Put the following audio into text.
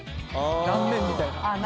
断面みたいな。